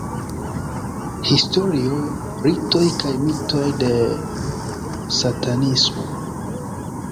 Historio, ritoj kaj mitoj de satanismo.